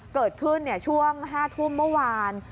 เกิดขึ้นช่วง๕ทุ่มเมื่อวาน